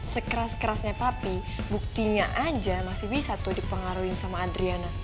sekeras kerasnya papi buktinya aja masih bisa tuh dipengaruhi sama adriana